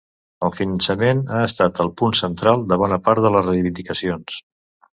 El finançament ha estat el punt central de bona part de les reivindicacions.